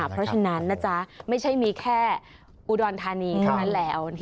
เพราะฉะนั้นนะจ๊ะไม่ใช่มีแค่อุดรธานีเท่านั้นแล้ว